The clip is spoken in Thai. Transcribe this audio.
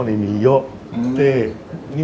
บนล่างมีเยอะ